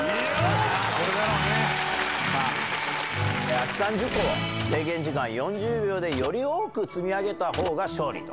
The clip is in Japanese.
空き缶１０個を制限時間４０秒でより多く積み上げたほうが勝利と。